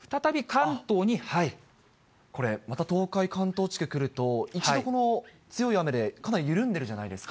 これ、また東海関東地区来ると、一度この強い雨でかなり緩んでるじゃないですか。